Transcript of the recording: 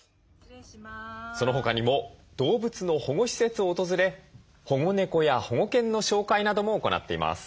そのほかにも動物の保護施設を訪れ保護猫や保護犬の紹介なども行っています。